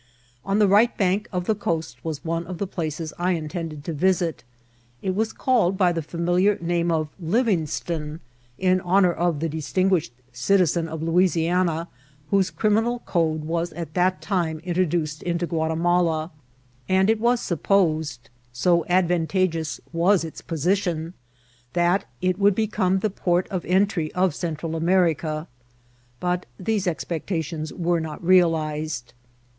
On the right bank of the coast was one of the places I intended to visit. It was called by the familiar name of Livingston, in hon our of the distinguished citizen of Louisiana whose criminal code was at that time introduced into Ouati* mala; and it was supposed, so advantageous was its position, that it would become the port of entry of Central America ; but these expectations were not re« alized.